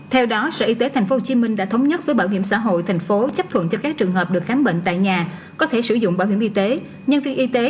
theo đó sở y tế tp hcm đã thống nhất với bảo hiểm xã hội thành phố chấp thuận cho các trường hợp được khám bệnh tại nhà có thể sử dụng bảo hiểm y tế